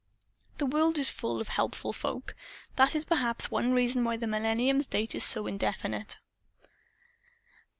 (The world is full of helpful folk. That is perhaps one reason why the Millennium's date is still so indefinite.)